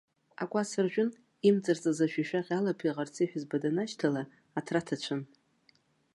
Акәац ржәын, имҵарҵаз ажәҩшәаҟьа алаԥиҟарц иаҳәызба данашьҭала, аҭра ҭацәын.